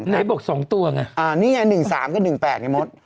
ไหนบอกสองตัวไงอ่านี่ไง๑๓ก็๑๘ไอ้มด